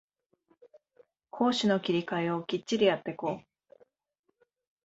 攻守の切り替えをきっちりやってこ